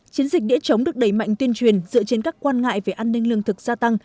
chiến dịch đĩa chống được đẩy mạnh tuyên truyền dựa trên các quan ngại về an ninh lương thực gia tăng